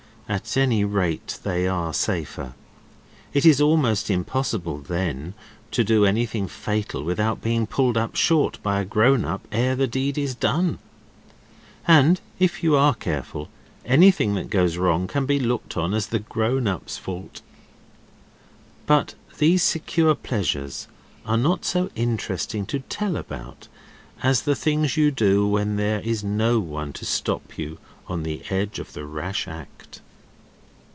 At any rate they are safer. It is almost impossible, then, to do anything fatal without being pulled up short by a grown up ere yet the deed is done. And, if you are careful, anything that goes wrong can be looked on as the grown up's fault. But these secure pleasures are not so interesting to tell about as the things you do when there is no one to stop you on the edge of the rash act.